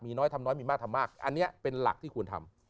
มีน้อยทำน้อยมีมากทำมากอันนี้เป็นหลักที่ควรทำ